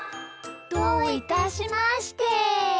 どういたしまして。